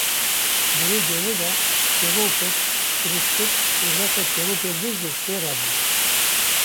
Di wê demê de kevokek biristik û refek kevokên din jî pê re bûn.